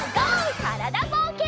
からだぼうけん。